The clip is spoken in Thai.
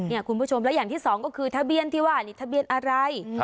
คุณผู้ชมแล้วอย่างที่สองก็คือทะเบียนที่ว่านี่ทะเบียนอะไร